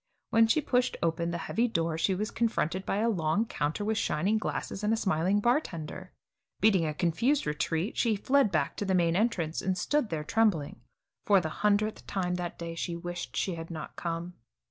When she pushed open the heavy door she was confronted by a long counter with shining glasses and a smiling bartender. Beating a confused retreat, she fled back to the main entrance, and stood there trembling. For the hundredth time that day she wished she had not come.